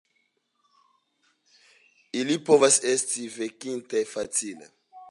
Ili povas esti venkitaj facile.